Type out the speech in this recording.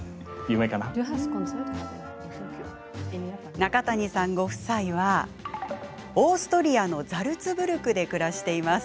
中谷さんご夫妻はオーストリアのザルツブルクで暮らしています。